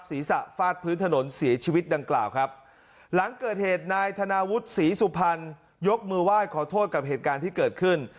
ศีรษะฟาดพื้นถนนเสียชีวิตดังกล่าวครับหลังเกิดเหตุนายธนาวุฒิศรีสุพรรณยกมือไหว้ขอโทษกับเหตุการณ์ที่เกิดขึ้น